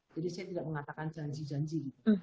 jadi saya tidak mengatakan janji janji